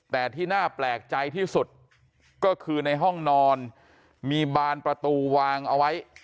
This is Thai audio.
แต่ที่น่าแปลกใจที่สุดก็คือในห้องนอนมีบานประตูวางเอาไว้